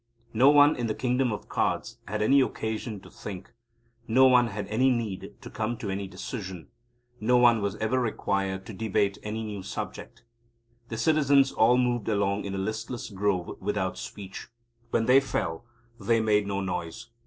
No one in the Kingdom of Cards had any occasion to think: no one had any need to come to any decision: no one was ever required to debate any new subject. The citizens all moved along in a listless groove without speech. When they fell, they made no noise.